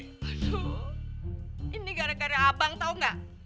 aduh ini gara gara abang tau gak